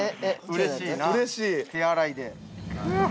◆うれしいな、手洗いで。